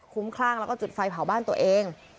คุ้มคลั่งแล้วก็จุดไฟเผาบ้านตัวเอง